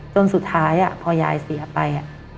จนสุดท้ายพอยายเสียไป